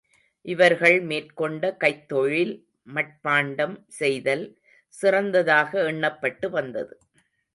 இவர்கள் மேற்கொண்ட கைத்தொழில் மட்பாண்டம் செய்தல், சிறந்ததாக எண்ணப்பட்டு வந்தது.